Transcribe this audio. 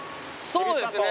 そうですね。